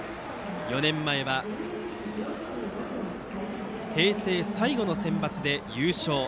４年前は平成最後のセンバツで優勝。